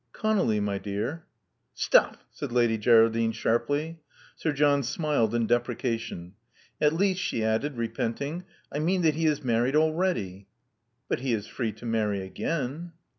Conolly, my dear." Stuff!" said Lady Geraldine sharply. Sir John smiled in deprecation. "At least," she added, repent ing, I mean that he is married already." "But he is free to marry again."